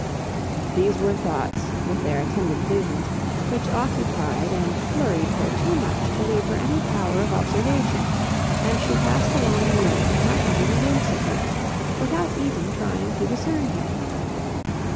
These were thoughts, with their attendant visions, which occupied and flurried her too much to leave her any power of observation; and she passed along the room without having a glimpse of him, without even trying to discern him.